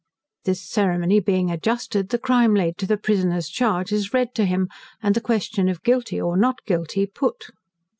This ceremony being adjusted, the crime laid to the prisoner's charge is read to him, and the question of Guilty, or Not guilty, put.